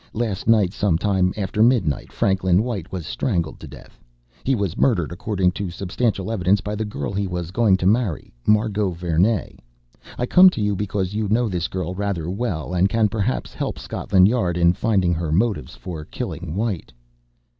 Last night, some time after midnight, Franklin White was strangled to death. He was murdered, according to substantial evidence, by the girl he was going to marry Margot Vernee. I come to you because you know this girl rather well, and can perhaps help Scotland Yard in finding her motive for killing White."